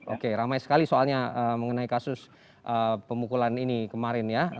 oke ramai sekali soalnya mengenai kasus pemukulan ini kemarin ya